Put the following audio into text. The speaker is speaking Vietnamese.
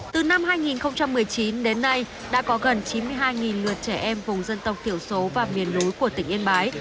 từ năm hai nghìn một mươi chín đến nay đã có gần chín mươi hai lượt trẻ em vùng dân tộc thiểu số và miền núi của tỉnh yên bái